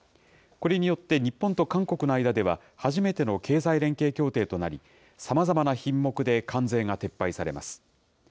これによって、日本と韓国の間では初めての経済連携協定となり、さまざまな品目で関税が撤廃されます。